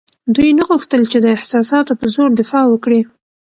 دوی نه غوښتل چې د احساساتو په زور دفاع وکړي.